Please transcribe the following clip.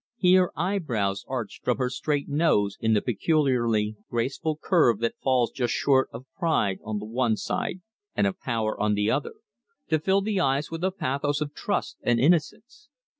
Here eyebrows arched from her straight nose in the peculiarly graceful curve that falls just short of pride on the one side and of power on the other, to fill the eyes with a pathos of trust and innocence.